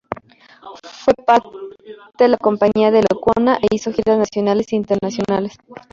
Fue parte la compañía de Lecuona e hizo giras nacionales e internacionales.